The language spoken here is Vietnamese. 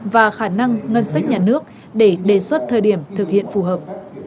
và khả năng ngân sách nhà nước để đề xuất thời điểm thực hiện phù hợp